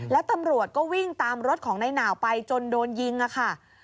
แล้วตำรวจก็วิ่งตามรถของนายหนาวไปจนโดนยิงค่ะ